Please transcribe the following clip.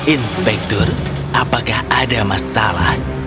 inspektur apakah ada masalah